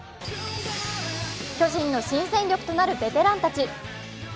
巨人の新戦力となるベテランたち。